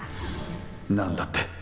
何だって？